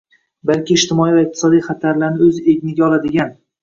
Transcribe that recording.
balki ijtimoiy va iqtisodiy xatarlarlarni o‘z egniga oladigan